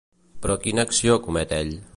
Però quina acció comet ell?